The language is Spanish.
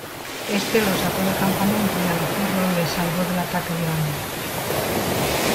Este los sacó del campamento y al hacerlo les salvó del ataque de Éomer.